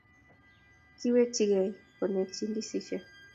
Kiwekchikei konyekchi ndisik